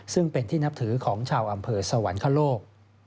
ซึ่งเป็นที่นับถือของชาวอำเภอสวรรคโลก